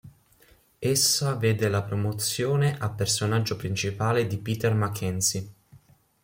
Essa vede la promozione a personaggio principale di Peter Mackenzie.